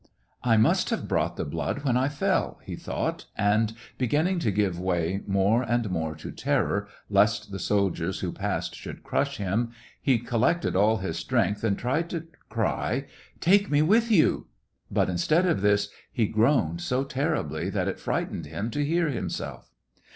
" I must have brought the blood when I fell," he thought, and, beginning to give way more and more to terror, lest the soldiers who passed should crush him, he collected all his strength, and tried to cry: "Take me with you!" but, instead of this, he groaned so terribly that it frightened him to hear himself.